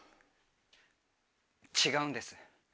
違うんです。